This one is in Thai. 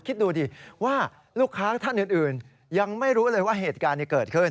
คิดดูดิว่าลูกค้าท่านอื่นยังไม่รู้เลยว่าเหตุการณ์นี้เกิดขึ้น